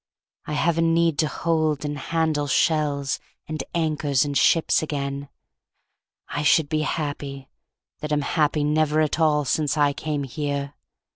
I have a need to hold and handle Shells and anchors and ships again! I should be happy, that am happy Never at all since I came here.